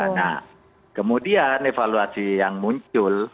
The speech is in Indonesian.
nah kemudian evaluasi yang muncul